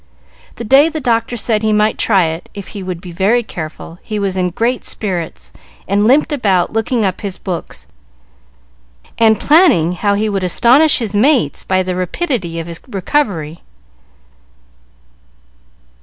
The day the doctor said he might try it if he would be very careful, he was in great spirits, and limped about, looking up his books, and planning how he would astonish his mates by the rapidity of his recovery.